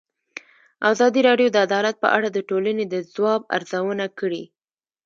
ازادي راډیو د عدالت په اړه د ټولنې د ځواب ارزونه کړې.